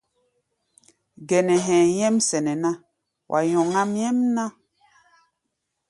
Gɛnɛ hɛ̧ɛ̧ nyɛ́m sɛnɛ ná, wa nyɔŋáʼm nyɛ́mná.